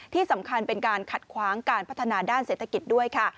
ที่สำคัญเป็นการขัดขวางการพัฒนาด้านเศรษฐกิจด้วยค่ะ